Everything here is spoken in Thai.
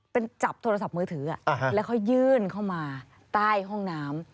เป็นจับโทรศัพท์มือถือแล้วเขายื่นเข้ามาใต้ห้องน้ำ